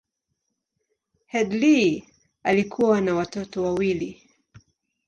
Headlee alikuwa na watoto wawili.